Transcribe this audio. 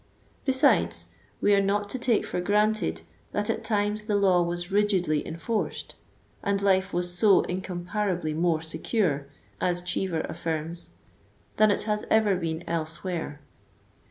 Besides, we are not to take for granted that at times the law was rigidly en forced, and life was so incomparably more secure — as Cheever affirms — than it has ever been elsewhere.